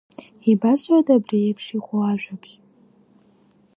Ибазҳәада абри еиԥш иҟоу ажәабжь?